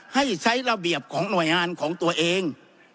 ให้ใช้ระเบียบของหน่วยงานของตัวเอง